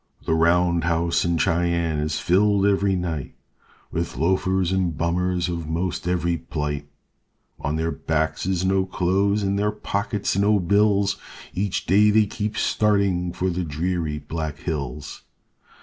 The round house in Cheyenne is filled every night With loafers and bummers of most every plight; On their backs is no clothes, in their pockets no bills, Each day they keep starting for the dreary Black Hills.